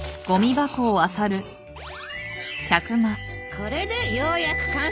これでようやく完成ね。